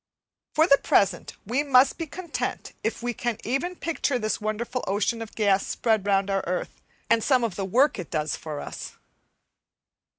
For the present we must be content if we can even picture this wonderful ocean of gas spread round our earth, and some of the work it does for us.